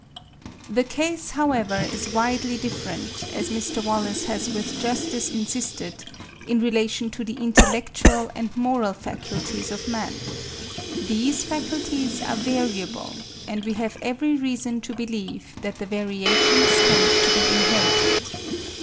The case, however, is widely different, as Mr. Wallace has with justice insisted, in relation to the intellectual and moral faculties of man. These faculties are variable; and we have every reason to believe that the variations tend to be inherited.